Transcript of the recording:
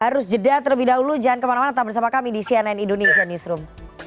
harus jeda terlebih dahulu jangan kemana mana tetap bersama kami di cnn indonesia newsroom